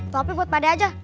tapi buat pak de aja